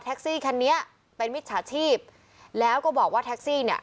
ซี่คันนี้เป็นมิจฉาชีพแล้วก็บอกว่าแท็กซี่เนี่ย